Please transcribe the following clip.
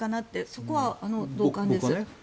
そこは同感です。